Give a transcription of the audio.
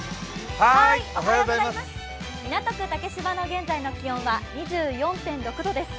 港区竹芝の現在の気温は２４．６度です。